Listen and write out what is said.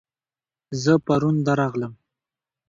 زه پرون درغلم